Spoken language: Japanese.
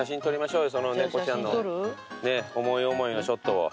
猫ちゃんの思い思いのショットを。